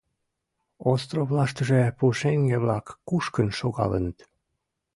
Островлаштыже пушеҥге-влак кушкын шогалыныт.